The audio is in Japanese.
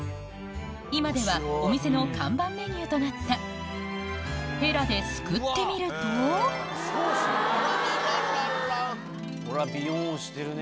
今ではお店の看板メニューとなったヘラですくってみるとこれはびよんしてるね。